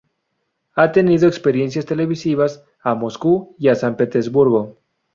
Ha tenido experiencias televisivas a Moscú y a San Petersburgo.